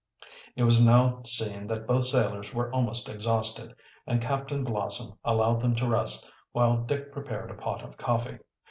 It was now seen that both sailors were almost exhausted, and Captain Blossom allowed them to rest, while Dick prepared a pot of coffee.